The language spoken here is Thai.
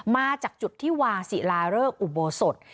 มาจากจุดที่วาศิลาเริกอุโบสถ